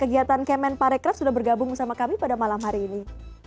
kementerian para rekrebs sudah bergabung sama kami pada malam hari ini